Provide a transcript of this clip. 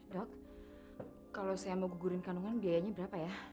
dok kalau saya mau gugurin kandungan biayanya berapa ya